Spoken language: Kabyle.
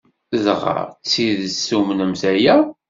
Dɣa d tidet tumnemt aya?